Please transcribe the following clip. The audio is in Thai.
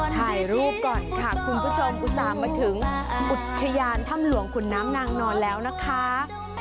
ถ่ายรูปก่อนค่ะคุณผู้ชมอุตส่าห์มาถึงอุทยานถ้ำหลวงขุนน้ำนางนอนแล้วนะคะ